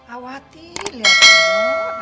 awati lihat dulu